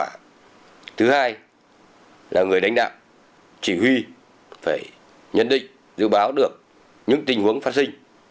thứ hai là người đánh đạo chỉ huy phải nhận định dự báo được những tình huống phát sinh